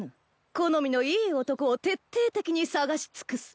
好みのいい男を徹底的に探し尽くす。